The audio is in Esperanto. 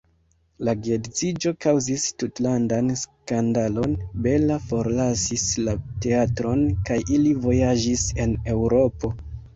La geedziĝo kaŭzis tutlandan skandalon, Bella forlasis la teatron kaj ili vojaĝis en Eŭropo.